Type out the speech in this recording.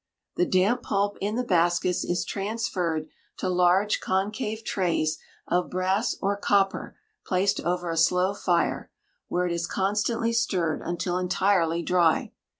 The damp pulp in the baskets is transferred to large concave trays of brass or copper placed over a slow fire, where it is constantly stirred until entirely dry.